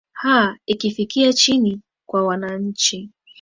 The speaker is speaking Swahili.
aa ikifikia chini kwa wananchi